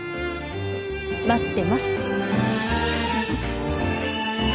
待ってます。